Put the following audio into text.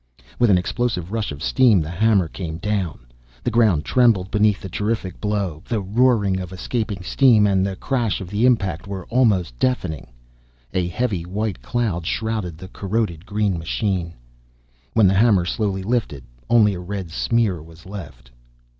With an explosive rush of steam, the hammer came down! The ground trembled beneath the terrific blow; the roaring of escaping steam and the crash of the impact were almost deafening. A heavy white cloud shrouded the corroded green machine. When the hammer slowly lifted, only a red smear was left....